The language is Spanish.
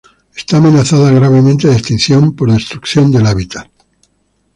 Está amenazada gravemente de extinción por destrucción de hábitat.